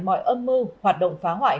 mọi âm mưu hoạt động phá hoại